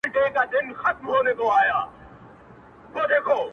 • شمع یم جلوه یمه لمبه یمه سوځېږمه -